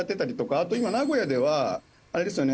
あと今名古屋ではあれですよね